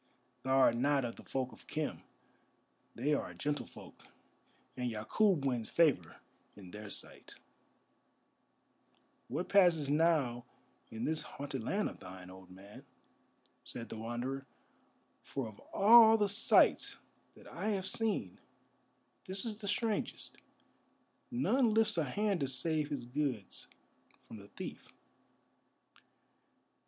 Thou art not of the folk of Khem. They are a gentle folk, and Yakûb wins favour in their sight." "What passes now in this haunted land of thine, old man?" said the Wanderer, "for of all the sights that I have seen, this is the strangest. None lifts a hand to save his goods from the thief."